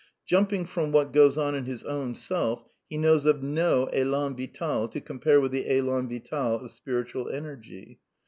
Jumping from what goes on in his own self, he knows of no elan vital to compare with the elan vital of spiritual energy.